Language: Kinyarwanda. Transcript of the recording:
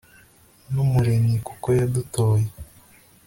n'umuremyi, kuko yadutoye